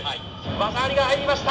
「技ありが入りました！」。